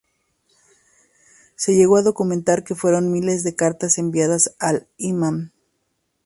Se llegó a documentar que fueron miles las cartas enviadas al Imam.